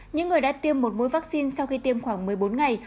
những người đã tiêm một mũi vaccine sau khi tiêm khoảng một mươi bốn ngày